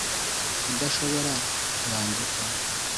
udashobora kuranduka